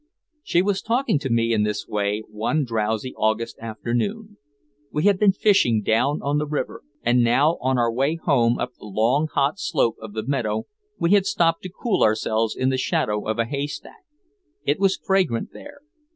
She was talking to me in this way one drowsy August afternoon. We had been fishing down on the river, and now on our way home up the long hot slope of the meadow we had stopped to cool ourselves in the shadow of a haystack. It was fragrant there.